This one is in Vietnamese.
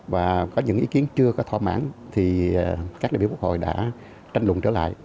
và có những ý kiến chưa có thỏa mãn thì các đại biểu quốc hội đã tranh luận trở lại